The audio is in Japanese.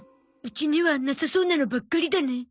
うちにはなさそうなものばっかりだね。